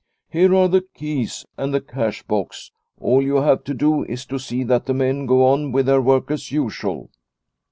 Here are the keys and the cash box ; all you have to do is to see that the men go on with their work as usual."